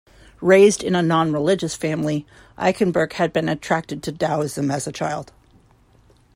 Raised in a non-religious family, Eichenberg had been attracted to Taoism as a child.